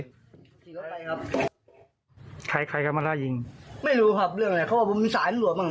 อะไรครับใครใครก็มาล่ายิงไม่รู้ครับเรื่องอะไรเขาว่ามีสายอำรวจบ้าง